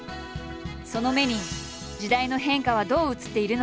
その目に時代の変化はどう映っているのか？